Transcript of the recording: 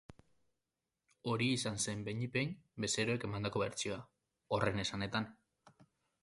Hori izan zen behinik behin bezeroek emandako bertsioa, horren esanetan.